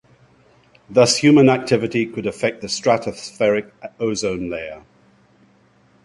Thus human activity could affect the stratospheric ozone layer.